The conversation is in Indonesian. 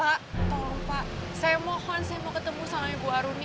pak tolong pak saya mohon saya mau ketemu sama ibu aruni